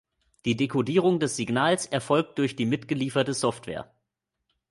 Die Decodierung des Signals erfolgt durch die mitgelieferte Software.